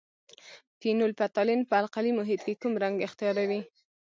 فینول فتالین په القلي محیط کې کوم رنګ اختیاروي؟